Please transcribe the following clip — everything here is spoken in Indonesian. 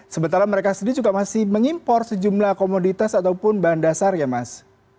sementara mereka sendiri juga masih mengimpor sejumlah komoditas ataupun bahan dasar ya mas